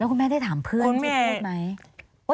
แล้วคุณแม่ได้ถามเพื่อนไหม